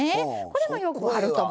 これもよくあると。